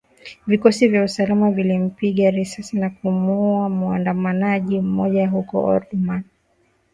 Vikosi vya usalama vilimpiga risasi na kumuuwa muandamanaji mmoja huko Omdurman